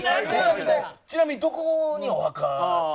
ちなみに、どこにお墓を。